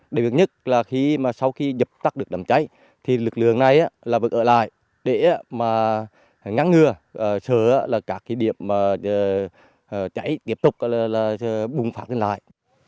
đặc biệt nhất là sau khi nhập tắt được nắm cháy lực lượng này vẫn ở lại để ngắn ngừa sửa các điểm cháy tiếp tục bùng phát lên lại